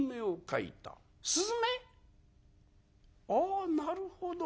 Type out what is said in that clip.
あなるほど。